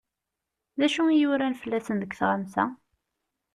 D acu i uran fell-asen deg tɣamsa?